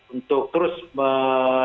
untuk terus mengembangkan